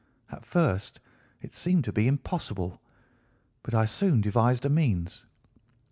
At first it seemed to be impossible, but I soon devised a means.